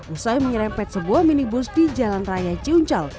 usai menyerempet sebuah minibus di jalan raya cioncal